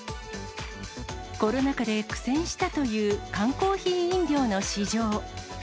コロナ禍で苦戦したという缶コーヒー飲料の市場。